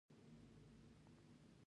نوي یمه پوښتنه د بن توافقاتو مطالب غواړي.